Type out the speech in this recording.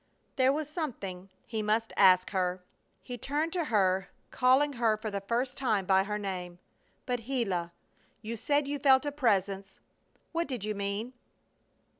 There was something he must ask her. He turned to her, calling her for the first time by her name: "But, Gila, you said you felt a Presence. What did you mean?"